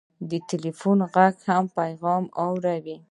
د ټېلفون غږ هم پیغام راوړي.